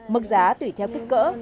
mức giá tùy theo kích cỡ